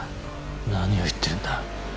何を言ってるんだ？